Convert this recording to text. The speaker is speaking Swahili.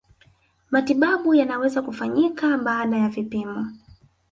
matibabu yanaweza kufanyika baada ya vipimo